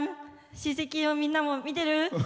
親戚のみんなも見てる？